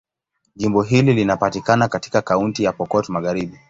Jimbo hili linapatikana katika Kaunti ya Pokot Magharibi.